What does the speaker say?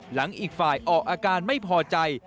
อีกฝ่ายออกอาการไม่พอใจ